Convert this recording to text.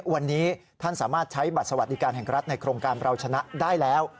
วันนี้ท่านสามารถใช้บัตรสวัสดิการแห่งรัฐในโครงการเราชนะได้แล้ว